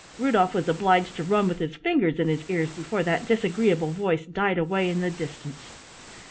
Rudolf was obliged to run with his fingers in his ears before that disagreeable voice died away in the distance.